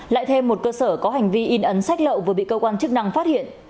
lại thêm một cơ sở có hành vi in ấn sách lậu vừa bị cơ quan chức năng phát hiện